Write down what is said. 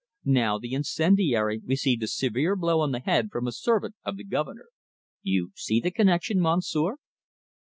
Now, the incendiary received a severe blow on the head from a servant of the Governor. You see the connection, Monsieur?"